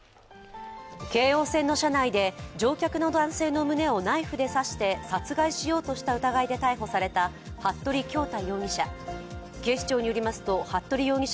京王線の車内で乗客の男性の胸をナイフで刺して殺害しようとした疑いで逮捕された服部恭太容疑者。